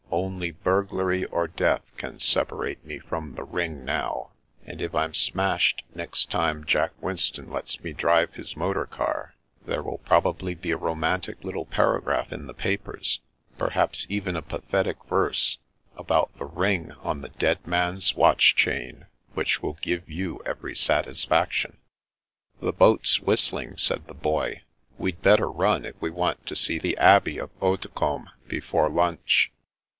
"Only burglary or death can separate me from the ring now; and if I'm smashed next time Jack Winston lets me drive his motor car, there will probably be a romantic little paragraph in the papers — ^perhaps even a pathetic verse — about the ring on the dead man's watch chain, which will give you every satis faction." " The boat's whistling," said the Boy. " We'd better run, if we want to see the Abbey of Haute combe before lunch."